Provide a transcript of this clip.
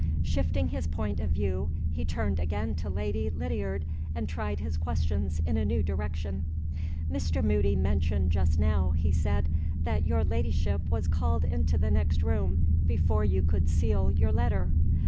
Shifting his point of view, he turned again to Lady Lydiard, and tried his questions in a new direction. "Mr. Moody mentioned just now," he said, "that your Ladyship was called into the next room before you could seal your letter.